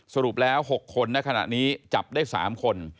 สรุปแล้ว๖คนในขณะนี้จับได้๓คน